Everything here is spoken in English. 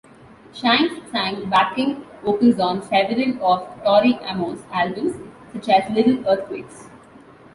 Shanks sang backing vocals on several of Tori Amos' albums, such as "Little Earthquakes".